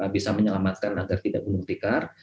bisa menyelamatkan agar tidak gunung tikar